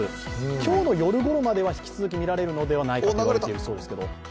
今日の夜頃までは引き続き見られるのではないかということです。